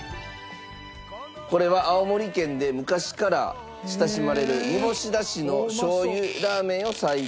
これは青森県で昔から親しまれる煮干し出汁のしょう油ラーメンを再現。